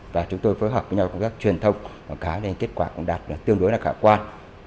và chúng tôi phối hợp với nhau công tác truyền thông cá nên kết quả cũng đạt tương đối là khả quan